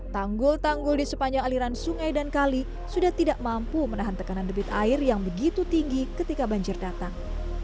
tanggul tanggul di sepanjang aliran sungai dan kali sudah tidak mampu menahan tekanan debit air yang begitu tinggi ketika banjir datang